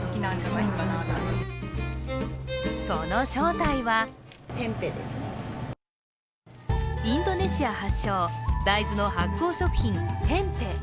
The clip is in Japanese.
その正体はインドネシア発祥、大豆の発酵食品テンペ。